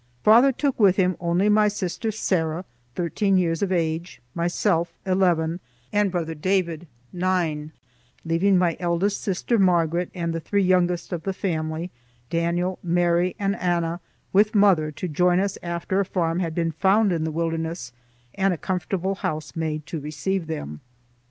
Father took with him only my sister Sarah (thirteen years of age), myself (eleven), and brother David (nine), leaving my eldest sister, Margaret, and the three youngest of the family, Daniel, Mary, and Anna, with mother, to join us after a farm had been found in the wilderness and a comfortable house made to receive them.